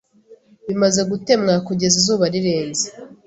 bimaze gutemwa Kugeza izuba rirenze